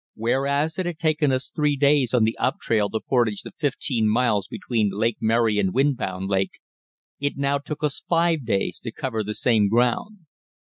Whereas it had taken us three days on the up trail to portage the fifteen miles between Lake Mary and Windbound Lake, it now took us five days to cover the same ground.